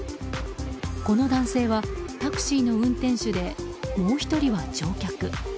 この男性はタクシーの運転手でもう１人は乗客。